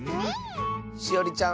しおりちゃん